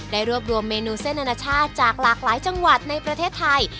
รวบรวมเมนูเส้นอนาชาติจากหลากหลายจังหวัดในประเทศไทย